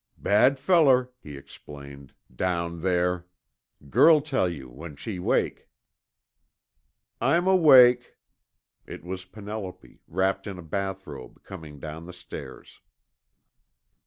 "Bad feller," he explained, "down there. Girl tell you, when she wake." "I'm awake." It was Penelope, wrapped in a bathrobe, coming down the stairs.